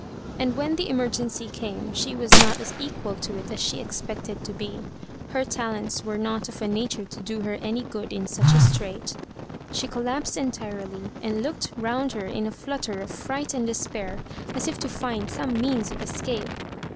And when the emergency came she was not as equal to it as she expected to be. Her talents were not of a nature to do her any good ui such a strait. She collapsed entirely, and looked round her in a flutter of fright and despair, as if to find some means of escape.